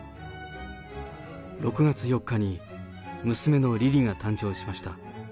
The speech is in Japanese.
６月４日に、娘のリリが誕生しました。